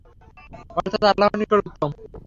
অর্থাৎ আল্লাহর নিকট উত্তম।